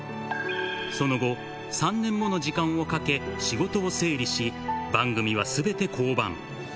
その後、３年もの時間をかけ、仕事を整理し、番組はすべて降板。